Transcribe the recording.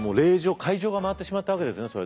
回状が回ってしまったわけですね。